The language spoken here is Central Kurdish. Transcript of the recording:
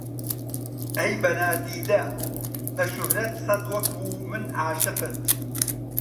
ئەی بە نادیدە، بە شوهرەت سەد وەکوو من عاشقت